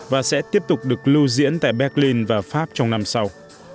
và sẽ tiếp tục được lưu diễn tại berlin và pháp trong năm sau